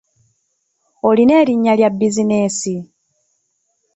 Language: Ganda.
Olina erinnya lya buzinensi?